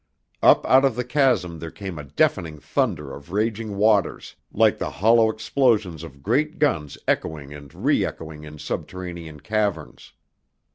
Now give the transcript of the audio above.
Up out of the chasm there came a deafening thunder of raging waters, like the hollow explosions of great guns echoing and reëchoing in subterranean caverns.